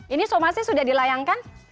ini somasi sudah dilayangkan